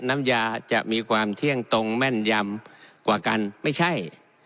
น้ำยาจะมีความเที่ยงตรงแม่นยำกว่ากันไม่ใช่